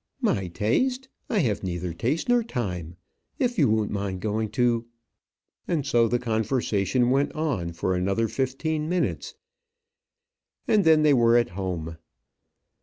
"My taste! I have neither taste nor time. If you won't mind going to " And so the conversation went on for another fifteen minutes, and then they were at home.